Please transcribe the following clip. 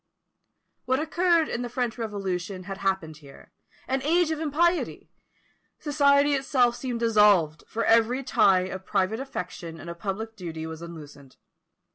What occurred in the French Revolution had happened here an age of impiety! Society itself seemed dissolved, for every tie of private affection and of public duty was unloosened.